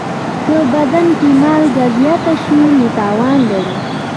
که بدن کې مالګه زیاته شي، نو تاوان لري.